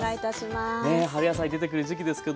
ねえ春野菜出てくる時期ですけども。